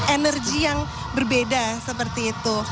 energi yang berbeda seperti itu